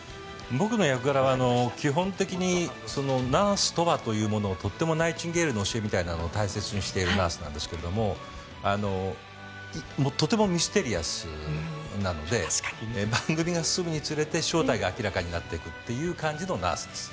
僕の役柄は基本的にナースとは？というものをとっても、ナイチンゲールの教えみたいなのを大切にしているナースなんですがとてもミステリアスなので番組が進むにつれて正体が明らかになっていくという感じのナースです。